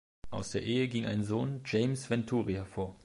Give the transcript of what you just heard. Aus der Ehe ging ein Sohn, James Venturi, hervor.